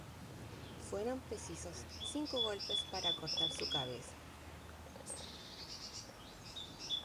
Fueron precisos cinco golpes para cortar su cabeza.